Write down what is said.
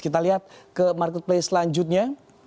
kita lihat ke marketplace selanjutnya